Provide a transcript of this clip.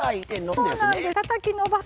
そうなんです。